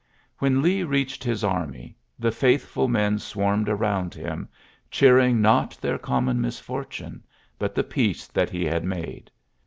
Whe^J Lee reached his army, the Mthfdl meij swarmed around him, cheering not thei^ common misfortune, but the peace thai he had made.